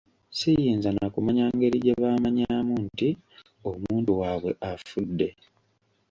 Ssiyinza na kumanya ngeri gye baamanyaamu nti omuntu waabwe afudde.